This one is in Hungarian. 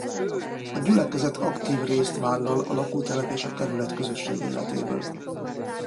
A gyülekezet aktív részt vállal a lakótelep és a kerület közösségi életéből.